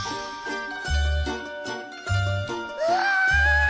うわ！